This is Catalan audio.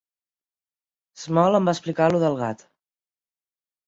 Small em va explicar lo del gat.